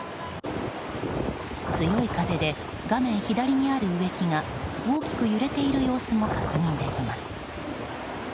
強い風で画面左にある植木が大きく揺れている様子も確認できます。